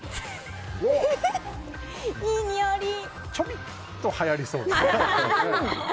ちょびっとはやりそうですね。